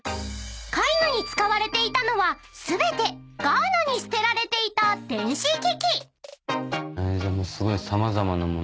［絵画に使われていたのは全てガーナに捨てられていた電子機器］でもすごい様々な物